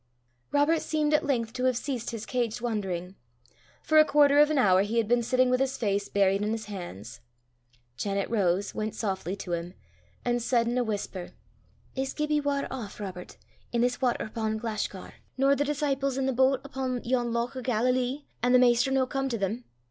Robert seemed at length to have ceased his caged wandering. For a quarter of an hour he had been sitting with his face buried in his hands. Janet rose, went softly to him, and said in a whisper: "Is Gibbie waur aff, Robert, i' this watter upo' Glashgar, nor the dissiples i' the boat upo' yon loch o' Galilee, an' the Maister no come to them?